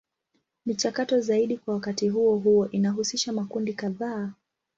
Michakato zaidi kwa wakati huo huo inahusisha makundi kadhaa.